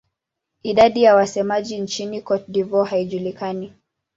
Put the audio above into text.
Idadi ya wasemaji nchini Cote d'Ivoire haijulikani.